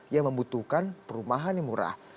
yang membutuhkan perumahan yang murah